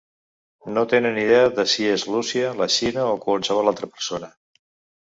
No tenen idea de si és Rússia, la Xina o qualsevol altra persona.